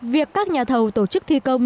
việc các nhà thầu tổ chức thi công